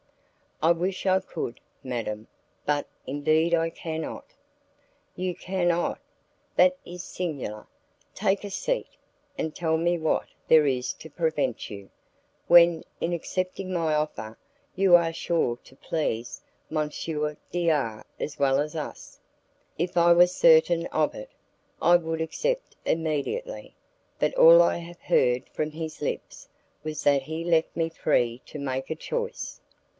"I wish I could, madam, but indeed I cannot." "You cannot? That is singular. Take a seat, and tell me what there is to prevent you, when, in accepting my offer, you are sure to please M. D R as well as us." "If I were certain of it, I would accept immediately; but all I have heard from his lips was that he left me free to make a choice."